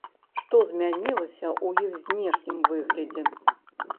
Што змянілася ў іх знешнім выглядзе?